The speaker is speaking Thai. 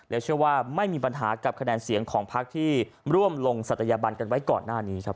เชื่อว่าไม่มีปัญหากับคะแนนเสียงของพักที่ร่วมลงศัตยบันกันไว้ก่อนหน้านี้ครับ